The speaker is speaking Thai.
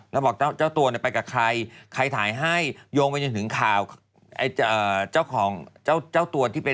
แล้วบอกเจ้าตัวเนี่ยไปกับใครใครถ่ายให้โยงไปจนถึงข่าว